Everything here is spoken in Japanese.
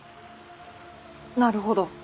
なるほど。